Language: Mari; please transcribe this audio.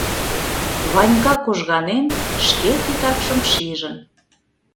— Ванька кожганен, шке титакшым шижын.